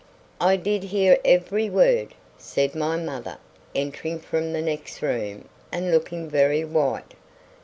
"I did hear every word," said my mother, entering from the next room, and looking very white.